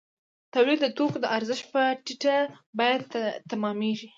تولید د توکو د ارزښت په ټیټه بیه تمامېږي